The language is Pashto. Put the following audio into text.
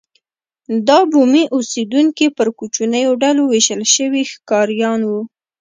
دا بومي اوسېدونکي پر کوچنیو ډلو وېشل شوي ښکاریان وو.